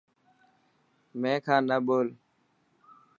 مين کان نه ٻول.